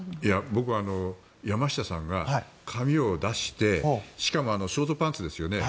僕、山下さんが髪を出してしかもショートパンツですよね。